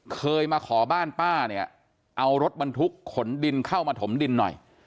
เคยมาขอบ้านป้าเนี่ยเอารถบรรทุกขนดินเข้ามาถมดินหน่อย